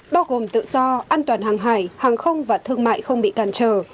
bao gồm tự do an toàn hàng hải hàng không và thương mại không bị càn trở